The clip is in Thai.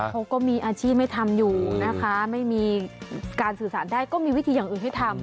เขาก็มีอาชีพให้ทำอยู่นะคะไม่มีการสื่อสารได้ก็มีวิธีอย่างอื่นให้ทำ